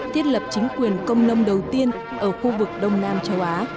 thiết lập chính quyền công nông đầu tiên ở khu vực đông nam châu á